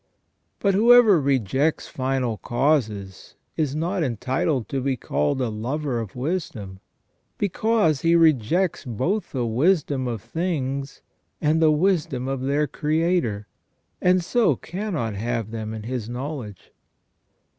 But whoever rejects final causes is not entitled to be called a lover of wisdom, because he rejects both the wisdom of things and the wisdom of their Creator, and so cannot have them in his knowledge.